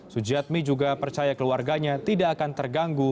sujiatmi juga percaya keluarganya tidak akan terganggu